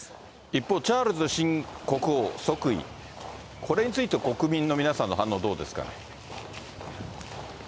一方、チャールズ新国王即位、これについて国民の皆さんの反応、どうですか。